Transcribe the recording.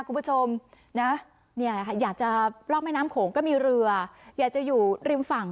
คุณผู้ชมเนี้ยอยากจะล่องไม่น้ำโขคือมีเรืออยากจะอยู่ริมฝั่ง